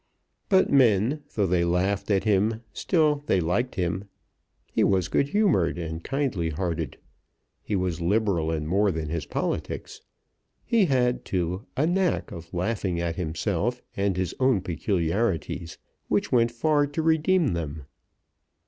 But men, though they laughed at him, still they liked him. He was good humoured and kindly hearted. He was liberal in more than his politics. He had, too, a knack of laughing at himself, and his own peculiarities, which went far to redeem them.